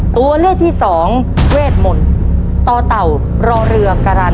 ตัวเลือกที่สองเวทมนต์ต่อเต่ารอเรือการัน